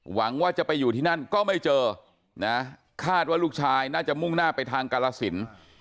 หวังว่าจะไปอยู่ที่นั่นก็ไม่เจอนะคาดว่าลูกชายน่าจะมุ่งหน้าไปทางกาลสิน